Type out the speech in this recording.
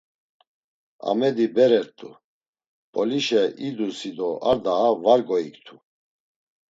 Amedi bere rt̆u Mp̌olişe idusi do ar daha var goiktu.